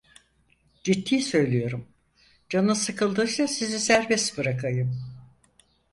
Ciddi söylüyorum, canınız sıkıldıysa sizi serbest bırakayım!